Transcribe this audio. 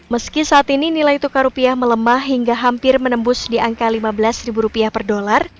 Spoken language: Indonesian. meski saat ini nilai tukar rupiah melemah hingga hampir menembus di angka lima belas ribu rupiah per dolar